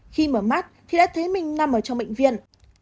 khi mở mắt thì đã thấy mình nằm ở trong bệnh viện